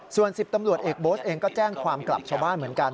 ส่วน๑๐ตำรวจเอกโบ๊ทเองก็แจ้งความกลับชาวบ้านเหมือนกัน